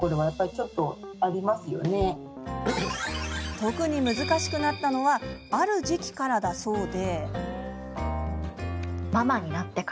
特に難しくなったのはある時期からだそうで。